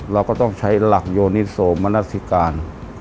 เราก็ต้องใช้หลักโยนิโสมนาสิการ